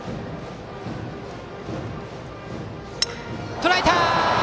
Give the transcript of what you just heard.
とらえた！